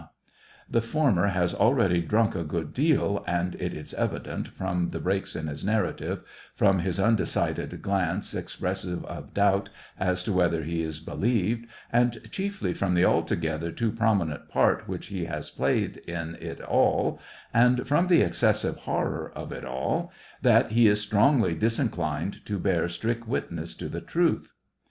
The SEVASTOPOL IN DECEMBER. 2 1 former has already drunk a good deal, and it is evident, from the breaks in his narrative, from his undecided glance expressive of doubt as to whether he is believed, and chiefly from the altogether too prominent part which he has played in it all, and from the excessive horror of it all, that he is strongly disinclined to bear strict witness to the truth.